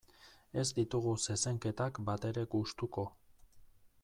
Ez ditugu zezenketak batere gustuko.